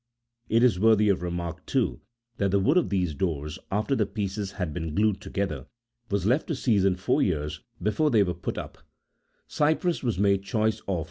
34 It is worthy of remark, too that the wood of these doors, after the pieces had been glued together, was left to season four years before they were put 32 Asia Minor, namely.